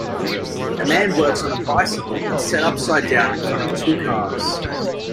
A man works on a bicycle that 's set upside down in front of two cars.